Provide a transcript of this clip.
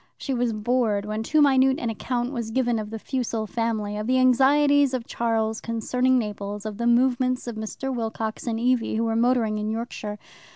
She was bored when too minute an account was given of the Fussell family, of the anxieties of Charles concerning Naples, of the movements of Mr. Wilcox and Evie, who were motoring in Yorkshire.